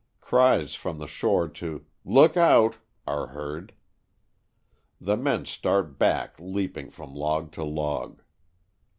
Cries from the shore to "look out" are heard. The men start back leaping from log to log.